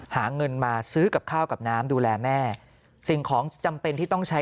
หาเงินมาซื้อกับข้าวกับน้ำดูแลแม่สิ่งของจำเป็นที่ต้องใช้